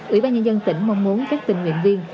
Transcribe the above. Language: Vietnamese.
ủy ban nhân dân tỉnh mong muốn các tình nguyện viên